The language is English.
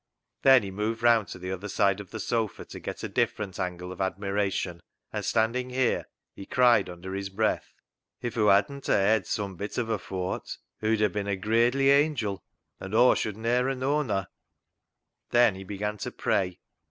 Then he moved round to the other side of the sofa to get a different angle of admiration, and standing here, he cried under his breath —" If hoo hadn't a hed some bit of a fawt, hoo'd a bin a gradely angil, an' Aw should ne'er a known her." Then he began to pray.